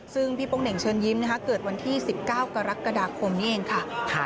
ซึ่งพี่โป๊งเหน่งเชิญยิ้มเกิดวันที่๑๙กรกฎาคมนี้เองค่ะ